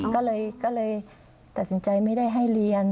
ก็เลยตัดสินใจไม่ได้ให้เรียน